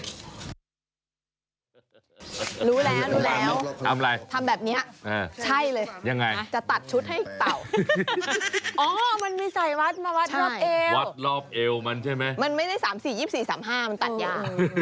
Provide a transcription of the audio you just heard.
รู้แล้วทำอะไรใช่เลยจะตัดชุดให้เตามันมีใส่วัดมาวัดรอบเอวมันไม่ได้๓๔๒๔๓๕มันตัดยา